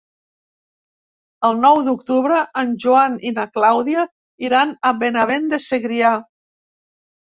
El nou d'octubre en Joan i na Clàudia iran a Benavent de Segrià.